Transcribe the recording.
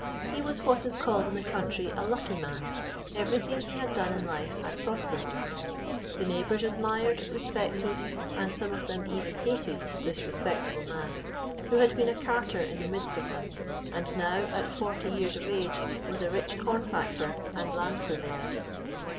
He was what is called in the country "a lucky man"; everything he had done in life had prospered. The neighbors admired, respected, and some of them even hated this respectable man, who had been a carter in the midst of them, and now at forty years of age was a rich corn factor and land surveyor.